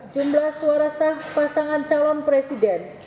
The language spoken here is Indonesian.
jumlah suara sah pasangan calon presiden